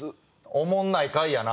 おもんない回やな。